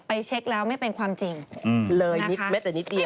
ไปเช็กแล้วไม่เป็นความจริงเลยไม่แต่นิดเดียว